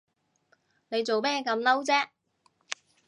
你做咩咁嬲啫？